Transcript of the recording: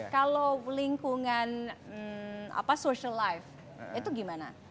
kalau lingkungan social life itu gimana